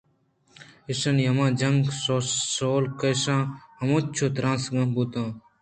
ایشانی ہمے جنگ شُول کشّان ءَ ہمینچو تُرسناک بُوت